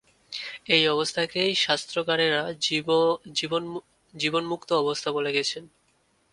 এই অবস্থাটাকেই শাস্ত্রকারেরা জীবন্মুক্ত অবস্থা বলে গেছেন।